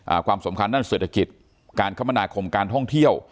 ความสำคัญด้านเศรษฐกิจการคมนาคมการท่องเที่ยว